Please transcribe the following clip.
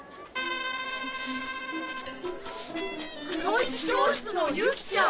くの一教室のユキちゃん！